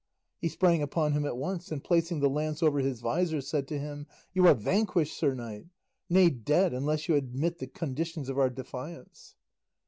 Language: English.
He sprang upon him at once, and placing the lance over his visor said to him, "You are vanquished, sir knight, nay dead unless you admit the conditions of our defiance."